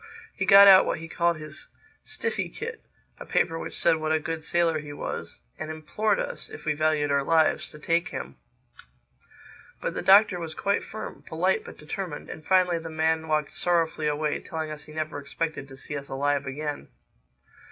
He got out what he called his stiffikit—a paper which said what a good sailor he was—and implored us, if we valued our lives, to take him. [Illustration: "'Boy, where's the skipper?'"] But the Doctor was quite firm—polite but determined—and finally the man walked sorrowfully away, telling us he never expected to see us alive again.